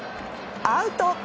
アウト！